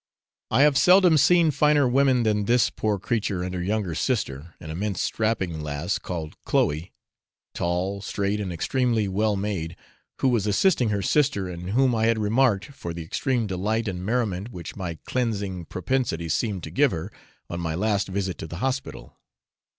I have seldom seen finer women than this poor creature and her younger sister, an immense strapping lass, called Chloe tall, straight, and extremely well made who was assisting her sister, and whom I had remarked, for the extreme delight and merriment which my cleansing propensities seemed to give her, on my last visit to the hospital.